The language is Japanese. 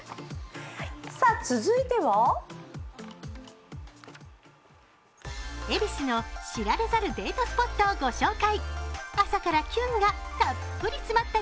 続いては恵比寿の知られざるデートスポットを御紹介。